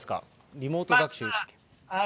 リモート学習。